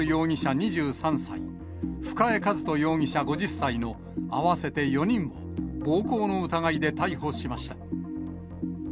２３歳、深江一人容疑者５０歳の合わせて４人を、暴行の疑いで逮捕しました。